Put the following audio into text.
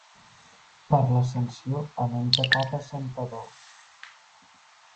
Per l'Ascensió, a menjar cabra a Santpedor.